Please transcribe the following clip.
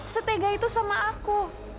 setega itu sama aku